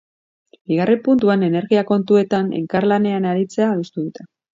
Bigarren puntuan, energia kontuetan elkarlanean aritzea adostu dute.